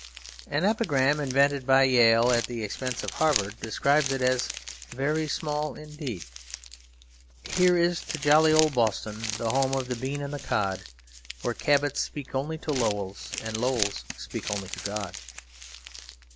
An epigram, invented by Yale at the expense of Harvard, describes it as very small indeed: Here is to jolly old Boston, the home of the bean and the cod, Where Cabots speak only to Lowells, and Lowells speak only to God.